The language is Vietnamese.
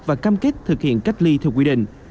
và cam kết thực hiện cách ly theo quy định